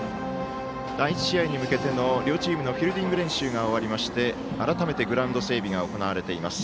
第１試合に向けての両チームのフィールディング練習終わりまして改めてグラウンド整備が行われています。